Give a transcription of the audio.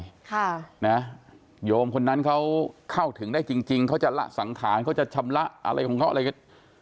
ค่ะนะโยมคนนั้นเขาเข้าถึงได้จริงจริงเขาจะละสังขารเขาจะชำระอะไรของเขาอะไร